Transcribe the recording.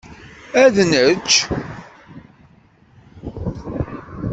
Ad nečč.